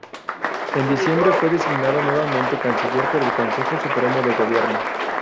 En diciembre, fue designado nuevamente Canciller por el Consejo Supremo de Gobierno.